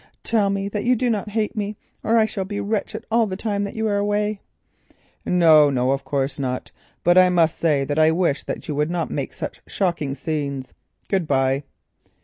Tell me that you do not hate me—or I shall be wretched all the time that you are away." "No, no, of course not—but I must say, I wish that you would not make such shocking scenes—good bye."